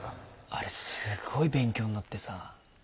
あれすごい勉強になってさ。